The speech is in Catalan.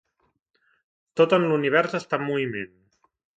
Tot en l'únivers està en moviment